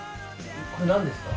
これなんですか？